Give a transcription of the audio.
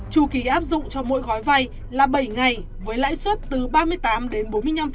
chủ ký áp dụng cho mỗi gói vay là bảy ngày với lãi suất từ ba mươi tám đến bốn mươi